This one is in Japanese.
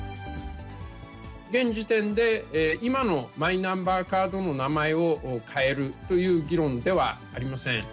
現時点で今のマイナンバーカードの名前を変えるという議論ではありません。